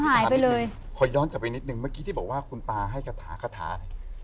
ถามไปเลยขอย้อนกลับไปนิดนึงเมื่อกี้ที่บอกว่าคุณตาให้คาถาคาถาเนี่ย